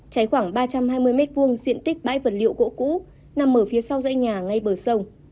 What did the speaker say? cháy khoảng ba trăm hai mươi m hai diện tích bãi vật liệu gỗ cũ nằm ở phía sau dãy nhà ngay bờ sông